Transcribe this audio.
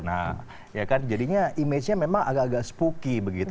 nah jadinya image nya memang agak agak spooky begitu